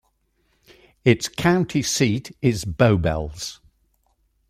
Its county seat is Bowbells.